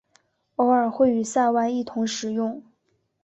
偶尔会与塞外一同使用。